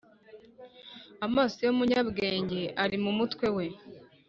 Amaso yumunyabwenge ari mumutwe we